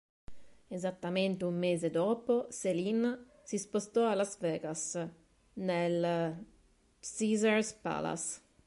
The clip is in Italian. Esattamente un mese dopo, Céline si spostò a Las Vegas, nel Caesars Palace.